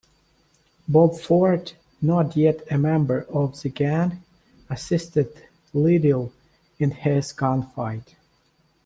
Bob Ford, not yet a member of the gang, assisted Liddil in his gunfight.